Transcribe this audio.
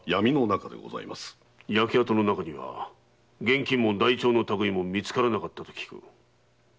焼け跡からは現金も台帳の類いも見つからなかったと聞く。